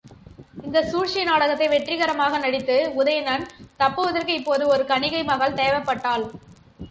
இந்தச் சூழ்ச்சி நாடகத்தை வெற்றிகரமாக நடித்து, உதயணன் தப்புவதற்கு இப்போது ஒரு கணிகை மகள் தேவைப்பட்டாள்.